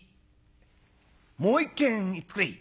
「もう一軒行ってくれい」。